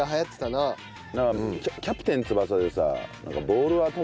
なんか『キャプテン翼』でさ。